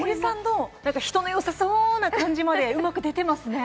森さんの人の良さそうな感じまで、うまく出てますね！